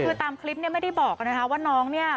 คือตามคลิปไม่ได้บอกนะครับว่าน้องนี่